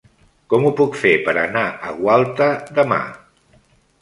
Com ho puc fer per anar a Gualta demà?